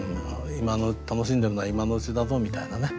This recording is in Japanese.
楽しんでるのは今のうちだぞみたいなね。